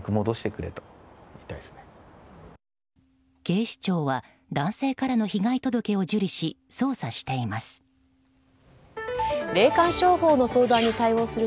警視庁は男性からの被害届を受理し、捜査しています。